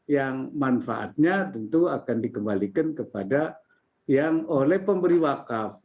yang manfaatnya tentu akan dikembalikan kepada yang oleh pemberi wakaf